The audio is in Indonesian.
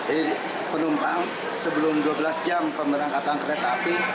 jadi penumpang sebelum dua belas jam pemberangkatan kereta api